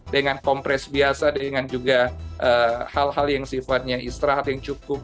dengan kompres biasa dengan juga hal hal yang sifatnya istirahat yang cukup